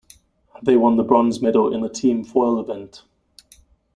They won the bronze medal in the team foil event.